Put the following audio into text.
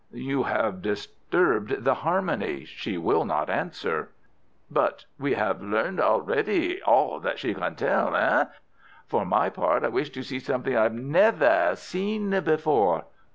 "You have disturbed the harmony. She will not answer." "But we have learned already all that she can tell—hein? For my part I wish to see something that I have never seen before."